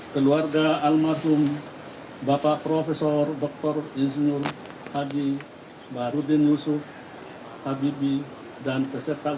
ketua makam pahlawan nasional